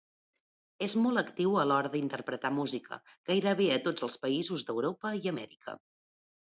És molt actiu a l'hora d'interpretar música, gairebé a tots els països d'Europa i Amèrica.